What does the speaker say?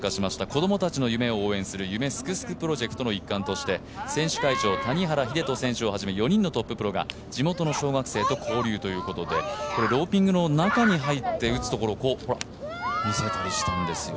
子供たちの夢を応援する「夢すくすくプロジェクト」の一貫として選手会長谷原秀人選手を中心として４人のトッププロが地元小学生と交流ということで、ローピングの中に入って打つというのを見せたりしたんですよ。